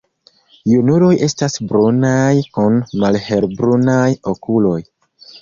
Junuloj estas brunaj kun malhelbrunaj okuloj.